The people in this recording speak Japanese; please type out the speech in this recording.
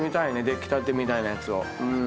出来たてみたいなやつを。